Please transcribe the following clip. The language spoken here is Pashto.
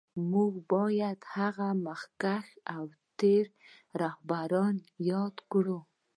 موږ باید هغه مخکښ او تېر رهبران را یاد کړو